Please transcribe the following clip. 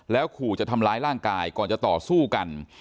ขู่จะทำร้ายร่างกายก่อนจะต่อสู้กัน